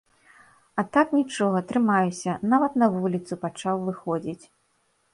А так, нічога, трымаюся, нават на вуліцу пачаў выходзіць.